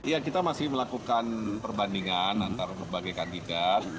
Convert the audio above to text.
ya kita masih melakukan perbandingan antara berbagai kandidat